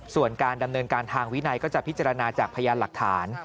ส่วนการดำเนินการทางวินัยก็จะพิจารณาจากพยานหลักฐาน